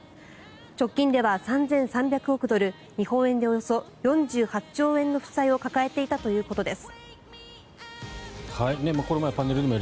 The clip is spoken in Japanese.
直近では３３００億ドル日本円でおよそ４８兆円の負債を抱えていたということです。